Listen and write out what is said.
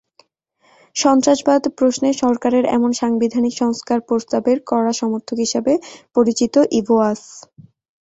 সন্ত্রাসবাদ প্রশ্নে সরকারের এমন সাংবিধানিক সংস্কার প্রস্তাবের কড়া সমর্থক হিসেবে পরিচিত ইভোয়াস।